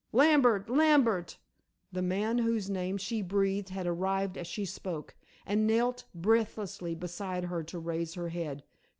Lambert! Lambert!" The man whose name she breathed had arrived as she spoke; and knelt breathlessly beside her to raise her head.